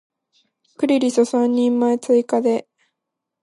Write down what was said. クリリソ三人前追加で